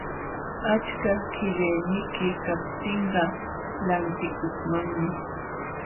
Achka qillayniyki kaptinqa lantikukmanmi.